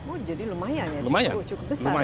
oh jadi lumayan ya cukup besar